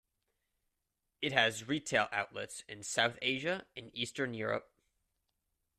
It has retail outlets in South Asia and Eastern Europe.